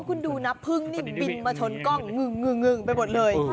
คุณดูนะพึ่งนี่บินมาชนกล้องงึงไปหมดเลย